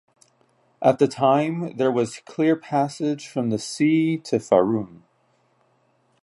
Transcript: At the time there was clear passage from the sea to Farum.